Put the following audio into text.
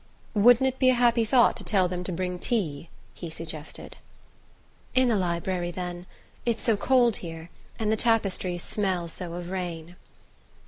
"Wouldn't it be a happy thought to tell them to bring tea?" he suggested. "In the library, then. It's so cold here and the tapestries smell so of rain."